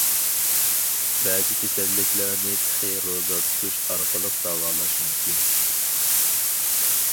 بەزى كېسەللىكلەرنى تېخى روزا تۇتۇش ئارقىلىق داۋالاش مۇمكىن.